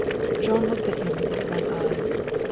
Jean looked at him with his one eye.